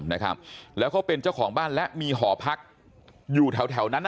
นะครับแล้วเขาเป็นเจ้าของบ้านและมีหอพักอยู่แถวแถวนั้น